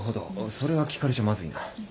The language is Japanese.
それは聞かれちゃまずいな。